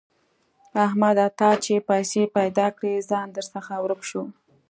احمده! تا چې پيسې پیدا کړې؛ ځان درڅخه ورک شو.